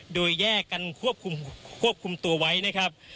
โดยแยกกันควบคุมตัวไว้นะครับ